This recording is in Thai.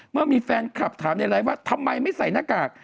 เมื่อมีแฟนคลับถามในไลฟ์ว่าทำไมไม่ใส่หน้ากาก